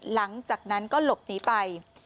หลังจากนั้นก็หลบหนีไป